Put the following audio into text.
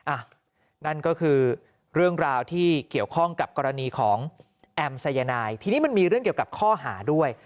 อ่ะนั่นก็คือเรื่องราวที่เกี่ยวข้องกับกรณีของแอมสายนายทีนี้มันมีเรื่องเกี่ยวกับข้อหาด้วย